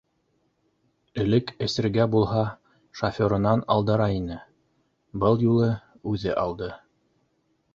Элек эсергә булһа шоферынан алдыра ине - был юлы үҙе алды.